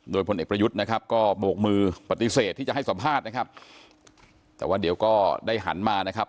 โดยพลเอกประยุทธ์นะครับก็โบกมือปฏิเสธที่จะให้สัมภาษณ์นะครับแต่ว่าเดี๋ยวก็ได้หันมานะครับ